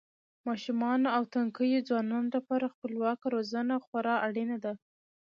ماشومانو او تنکیو ځوانانو لپاره خپلواکه روزنه خورا اړینه ده.